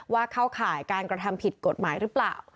เข้าข่ายการกระทำผิดกฎหมายหรือเปล่า